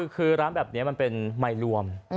คือร้านแบบนี้มันเป็นไมค์รวม